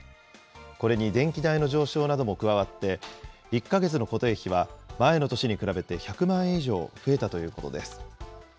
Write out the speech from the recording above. これに電気代の上昇なども加わって、１か月の固定費は前の年に比べて１００万円以上増えたということです。